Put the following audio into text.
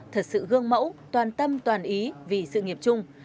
thật sự gương mẫu toàn tâm toàn ý vì sự nghiệp chung